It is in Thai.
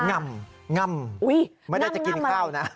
ง่ำง่ำไม่ได้จะกินข้าวนะ